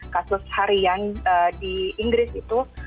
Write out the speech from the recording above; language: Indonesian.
kasus harian di inggris itu